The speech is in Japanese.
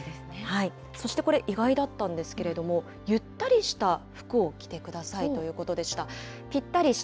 そしてこれ、意外だったんですけれども、ゆったりした服を着てくださいということでした。